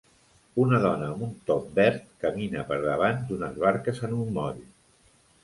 Una dona amb un top verd camina per davant d'unes barques en un moll.